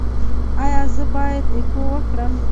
ایا زه باید اکو وکړم؟